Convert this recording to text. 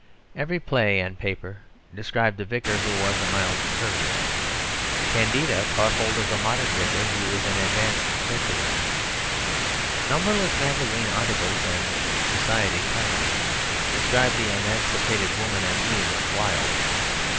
Every play and paper described the Vicar who was a mild Conservative. Candida caught hold of the modern Vicar who is an advanced Socialist. Numberless magazine articles and society comedies describe the emancipated woman as new and wild.